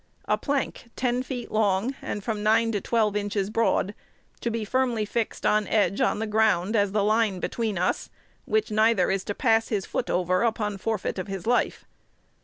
A plank ten feet long, and from nine to twelve inches broad, to be firmly fixed on edge on the ground as the line between us, which neither is to pass his foot over upon forfeit of his life.